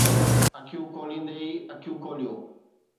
اکيون کوليندي ئي اکيون کوليون!